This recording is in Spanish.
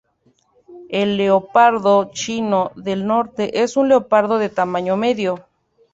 El leopardo chino del Norte es un leopardo de tamaño medio.